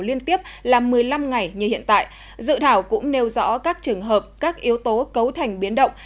liên tiếp là một mươi năm ngày như hiện tại dự thảo cũng nêu rõ các trường hợp các yếu tố cấu thành biến động